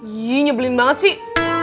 iyy nyebelin banget sih